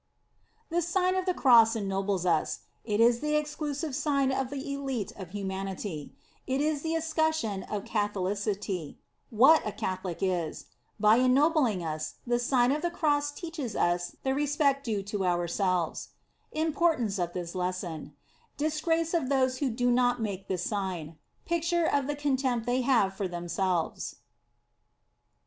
THE SIGN OF THE CROSS ENNOBLES us IT is THE EXCLUSIVE SIGH OF THE ELITE OP HUMANITY IT IS THE ESCUTCHEON OF CATHO liciTY WHAT A CATHOLIC is BY ENKOBLINQ us, THE SIGN or THE CROSS TEACHES US THE RESPECT DUE TO OURSELVES IM PORTANCE OF THIS LESSON DISGRACE OF THOSE WHO DO NOT MAKE THIS SIGN PICTURE OF THE CONTEMPT THEY HAVE FOB THEMSELVES.